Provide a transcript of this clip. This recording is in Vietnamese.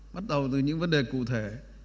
bắt đầu từ những vấn đề cụ thể